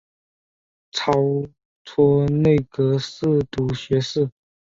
超擢内阁侍读学士。